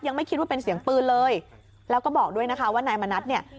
ไม่คิดว่าเป็นเสียงปืนเลยแล้วก็บอกด้วยนะคะว่านายมณัฐเนี่ย